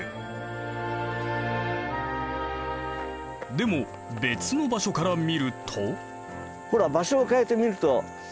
でも別の場所から見ると。